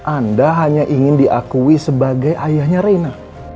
anda hanya ingin diakui sebagai ayahnya reina